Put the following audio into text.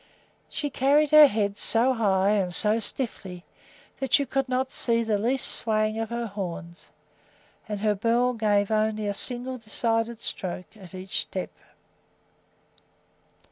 She carried her head so high and so stiffly that you could not see the least swaying of her horns, and her bell gave only a single decided stroke at each step.